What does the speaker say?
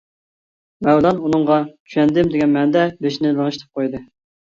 مەۋلان ئۇنىڭغا «چۈشەندىم» دېگەن مەنىدە بېشىنى لىڭشىتىپ قويدى.